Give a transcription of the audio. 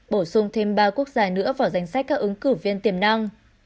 bộ xung thêm ba quốc gia nữa vào danh sách các ứng cử viên tiềm năng